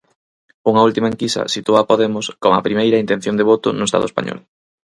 Unha última enquisa sitúa a Podemos coma primeira intención de voto no Estado español.